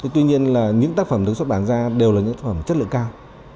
tuy nhiên là những tác phẩm được xuất bản ra đều là những tác phẩm chất lượng cao